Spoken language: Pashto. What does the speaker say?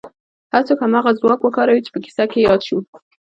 هر څوک هماغه ځواک وکاروي چې په کيسه کې ياد شو.